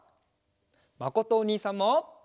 まことおにいさんも。